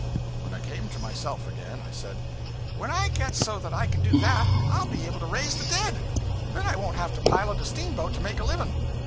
When I came to myself again, I said 'When I get so that I can do that, I'll be able to raise the dead, and then I won't have to pilot a steamboat to make a living.